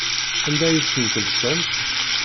Anda ay ten-telsamt?